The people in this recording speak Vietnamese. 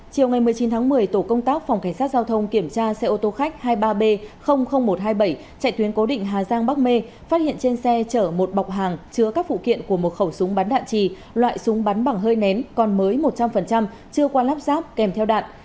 chiều ngày một mươi chín tháng một mươi tổ công tác phòng cảnh sát giao thông kiểm tra xe ô tô khách hai mươi ba b một trăm hai mươi bảy chạy tuyến cố định hà giang bắc mê phát hiện trên xe chở một bọc hàng chứa các phụ kiện của một khẩu súng bắn đạn trì loại súng bắn bằng hơi nén còn mới một trăm linh chưa qua lắp ráp kèm theo đạn